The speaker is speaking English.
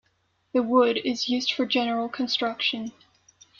The wood is used for general construction.